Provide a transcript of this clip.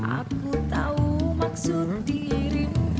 aku tahu maksud dirimu